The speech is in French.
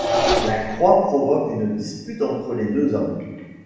La croix provoque une dispute entre les deux hommes.